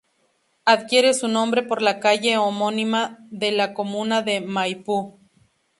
Adquiere su nombre por la calle homónima de la comuna de Maipú.